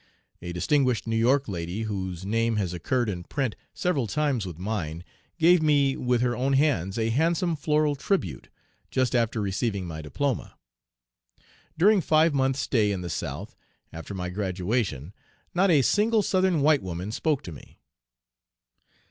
A distinguished New York lady, whose name has occurred in print several times with mine, gave me with her own hands a handsome floral tribute, just after receiving my diploma. During five months' stay in the South, after my graduation, not a single Southern white woman spoke to me.